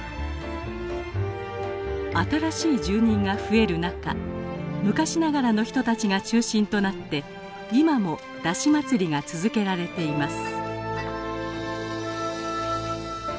新しい住人が増える中昔ながらの人たちが中心となって今も山車祭りが続けられています。